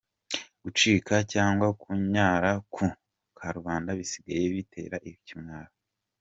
Gucira cyangwa kunyara ku karubanda bisigaye bitera ikimwaro.